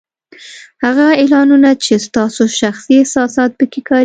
هغه اعلانونه چې ستاسو شخصي احساسات په کې کارېږي